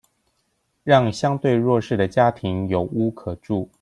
讓相對弱勢的家庭有屋可住